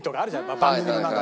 番組の中で。